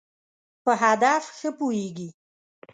په هدف ښه پوهېږی.